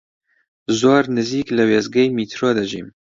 زۆر نزیک لە وێستگەی میترۆ دەژیم.